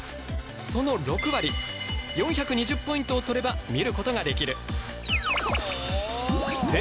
その６割４２０ポイントを取れば見ることができる。